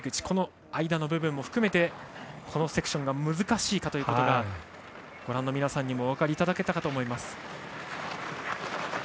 この間の部分も含めてこのセクションが難しいかということがご覧の皆さんにもお分かりいただけたかと思います。